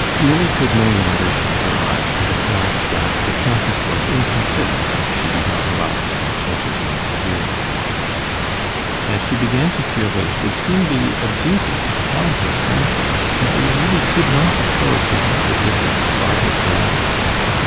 Milly could no longer shut her eyes to the fact, that the Countess was inconsiderate, if she did not allow herself to entertain severer thoughts; and she began to feel that it would soon be a duty to tell her frankly that they really could not afford to have her visit farther prolonged.